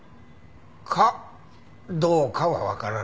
かどうかはわからないよ。